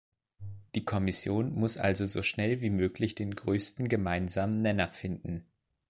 Die Kommission muss also so schnell wie möglich den größten gemeinsamen Nenner finden.